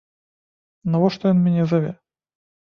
Навошта ён мяне заве?